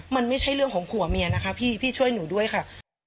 มันไม่ใช่เรื่องของผัวเมียนะคะพี่พี่ช่วยหนูด้วยค่ะ